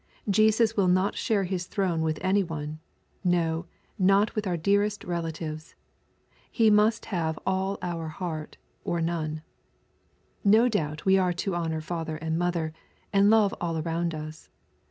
Jesus will not share His throne with any one, — no, not with our dearest relatives. He must have all our heart, or none. No doubt we are to honor father and mother, and love all around us.